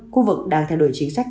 khu vực đang thay đổi chính sách